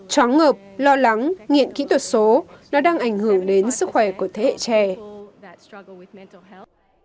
chóng ngợp lo lắng nghiện kỹ thuật số nó đang ảnh hưởng đến sức khỏe của thế hệ trẻ